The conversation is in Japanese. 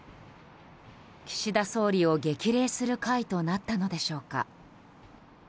岸田総理を激励する会となったのでしょうか。